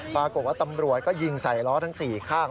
ปรากฏว่าตำรวจก็ยิงใส่ล้อทั้ง๔ข้าง